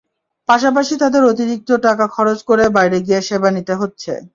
পাশাপাশি তাদের অতিরিক্ত টাকা খরচ করে বাইরে গিয়ে সেবা নিতে হচ্ছে।